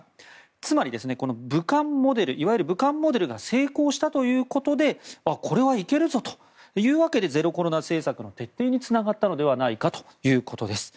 つまり、いわゆる武漢モデルが成功したことでこれはいけるぞというわけでゼロコロナ政策の徹底につながったのではないかということです。